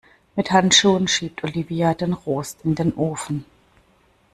Mit Handschuhen schiebt Olivia den Rost in den Ofen.